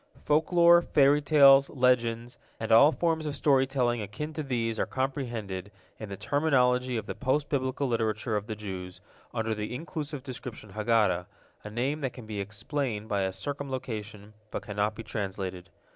Folklore, fairy tales, legends, and all forms of story telling akin to these are comprehended, in the terminology of the post Biblical literature of the Jews, under the inclusive description Haggadah, a name that can be explained by a circumlocution, but cannot be translated.